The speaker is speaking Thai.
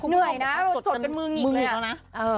เหนื่อยนะจดกันมึงอีกแล้วนะ